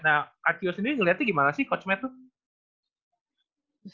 nah kak kio sendiri ngeliatnya gimana sih kosmet tuh